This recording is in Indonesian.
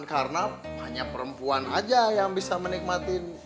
karena hanya perempuan aja yang bisa menikmatin